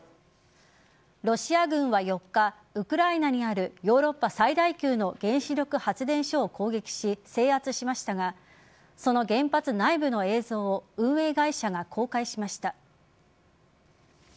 ロシア軍は４日ウクライナにあるヨーロッパ最大級の原子力発電所を攻撃し制圧しましたがその原発内部の映像を運営会社が公開しました。